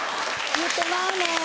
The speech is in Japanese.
言うてまうねん。